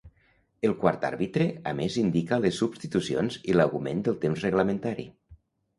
El quart àrbitre a més indica les substitucions i l'augment del temps reglamentari.